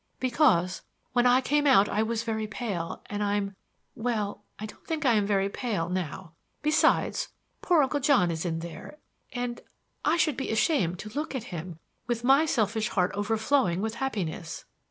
"Because when I came out I was very pale; and I'm well, I don't think I am very pale now. Besides, poor Uncle John is in there and I should be ashamed to look at him with my selfish heart overflowing with happiness."